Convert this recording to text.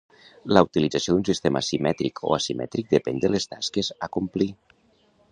La utilització d'un sistema simètric o asimètric depèn de les tasques a complir.